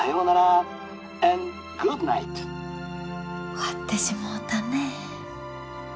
終わってしもうたねえ。